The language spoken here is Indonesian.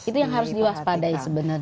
nah ini juga yang harus diperhatikan